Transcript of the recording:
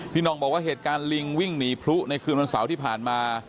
น่องบอกว่าเหตุการณ์ลิงวิ่งหนีพลุในคืนวันเสาร์ที่ผ่านมา